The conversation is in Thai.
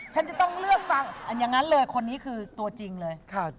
ฉันจะต้องเลือกฟังอันอย่างนั้นเลยคนนี้คือตัวจริงเลย